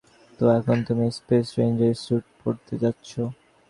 তো, এখম তুমি স্পেস রেঞ্জার স্যুট পরতে চাচ্ছো?